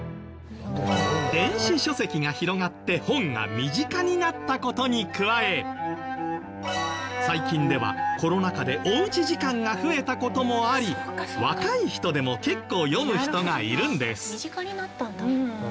電子書籍が広がって本が身近になった事に加え最近ではコロナ禍でおうち時間が増えた事もあり若い人でも結構読む人がいるんです。